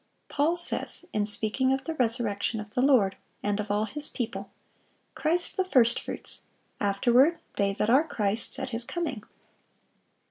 Paul says, in speaking of the resurrection of the Lord, and of all His people, "Christ the first fruits; afterward they that are Christ's at His coming."